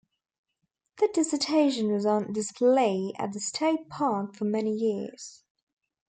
The dissertation was on display at the state park for many years.